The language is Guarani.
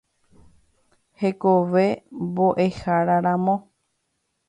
Hekove Mbo'eháraramo.